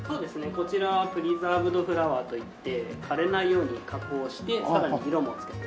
こちらはプリザーブドフラワーといって枯れないように加工をしてさらに色も付けて。